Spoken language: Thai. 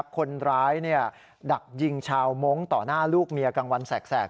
คนร้ายดักยิงชาวมงค์ต่อหน้าลูกเมียกลางวันแสก